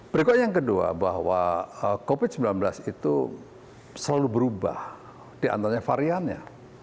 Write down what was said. berikutnya yang kedua bahwa covid sembilan belas itu selalu berubah diantaranya variannya